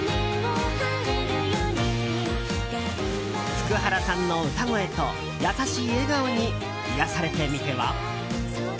福原さんの歌声と優しい笑顔に癒やされてみては？